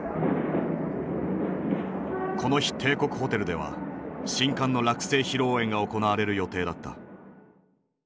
この日帝国ホテルでは新館の落成披露宴が行われる予定だった。